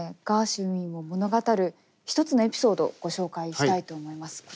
ガーシュウィンを物語る一つのエピソードをご紹介したいと思います。